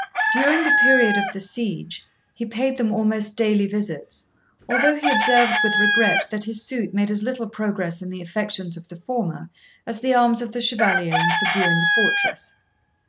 During the period of the siege he paid them almost daily visits, although he observed with regret that his suit made as little progress in the affections of the former as the arms of the Chevalier in subduing the fortress.